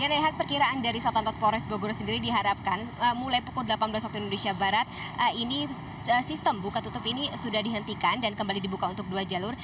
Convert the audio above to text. rehat perkiraan dari satlantas polres bogor sendiri diharapkan mulai pukul delapan belas waktu indonesia barat ini sistem buka tutup ini sudah dihentikan dan kembali dibuka untuk dua jalur